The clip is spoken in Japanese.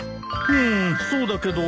うんそうだけど。